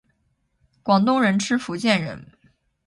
广东人吃福建人！